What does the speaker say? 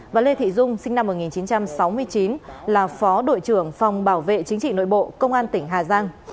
và lê thị dung sinh năm một nghìn chín trăm sáu mươi chín là phó đội trưởng phòng bảo vệ chính trị nội bộ công an tỉnh hà giang